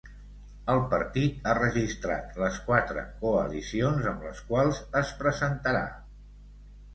El partit ha registrat les quatre coalicions amb les quals es presentarà.